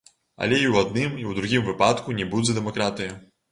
Але і ў адным, і ў другім выпадку не будзе дэмакратыі.